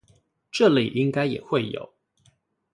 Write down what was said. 這裡應該也會有